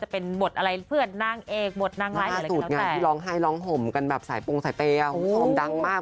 โปรงใส่เปรียวพร้อมดังมาก